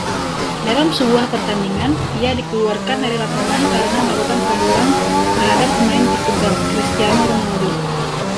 Dalam sebuah pertandingan, ia dikeluarkan dari lapangan karena melakukan pelanggaran terhadap pemain Portugal, Cristiano Ronaldo.